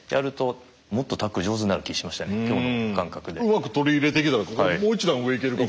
うまく取り入れていけたらもう一段上いけるかも。